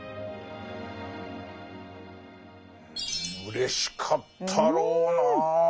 うれしかったろうなあ。